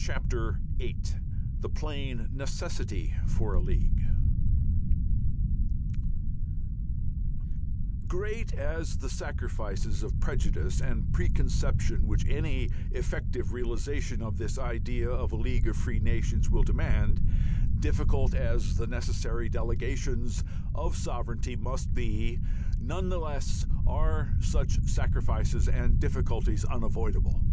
VIII THE PLAIN NECESSITY FOR A LEAGUE Great as the sacrifices of prejudice and preconception which any effective realization of this idea of a League of Free Nations will demand, difficult as the necessary delegations of sovereignty must be, none the less are such sacrifices and difficulties unavoidable.